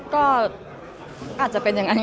อเรนนี่มีหลังไม้ไม่มี